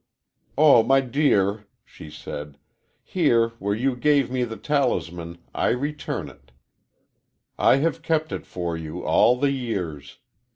"Oh, my dear!" she said. "Here, where you gave me the talisman, I return it. I have kept it for you all the years.